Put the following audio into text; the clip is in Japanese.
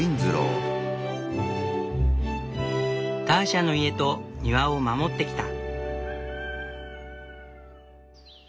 ターシャの家と庭を守ってきた。